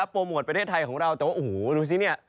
โปรโมทประเทศไทยของเราแต่ว่าโอ้โหดูสิเนี่ย